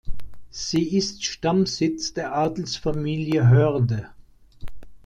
Sie ist Stammsitz der Adelsfamilie Hörde.